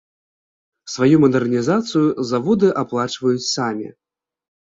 Сваю мадэрнізацыю заводы аплачваюць самі.